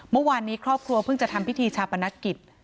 เมื่อวานนี้ครอบครัวเพิ่งจะทำพิธีชาปนกิจ